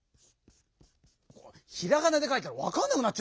ひらがなでかいたらわかんなくなっちゃうから！